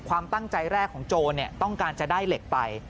ความตั้งใจแรกของโจรต้องการจะได้เหล็กไป